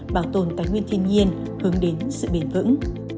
bảo tồn tài nguyên thiên nhiên hướng đến sự bền vững